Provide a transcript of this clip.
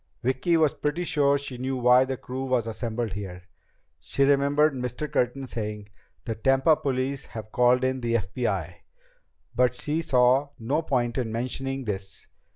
Vicki was pretty sure she knew why the crew was assembled here. She remembered Mr. Curtin saying: "The Tampa police have called in the FBI." But she saw no point in mentioning this.